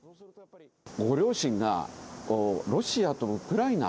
ご両親がロシアとウクライナ。